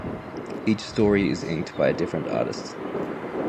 Each story is inked by a different artist.